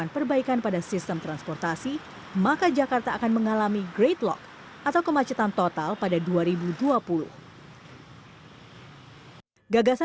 berikut laporannya untuk anda